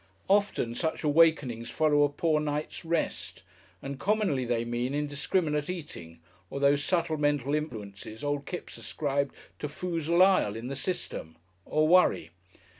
Often such awakenings follow a poor night's rest, and commonly they mean indiscriminate eating, or those subtle mental influences old Kipps ascribed to "Foozle Ile" in the system, or worry.